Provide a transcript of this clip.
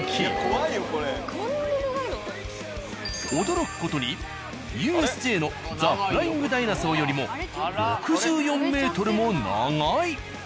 驚く事にＵＳＪのザ・フライング・ダイナソーよりも６４ｍも長い。